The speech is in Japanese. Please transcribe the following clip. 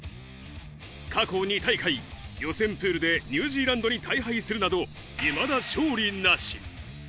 過去２大会、予選プールでニュージーランドに大敗するなど、いまだ勝利なし。